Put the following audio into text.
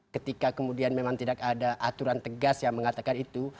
ketika kemudian memang tidak ada aturan tegas yang mengatakan itu